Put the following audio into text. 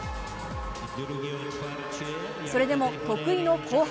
それでも得意の後半。